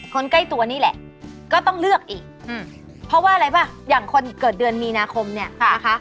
ใกล้ตัวนี่แหละก็ต้องเลือกอีกเพราะว่าอะไรป่ะอย่างคนเกิดเดือนมีนาคมเนี่ยนะคะ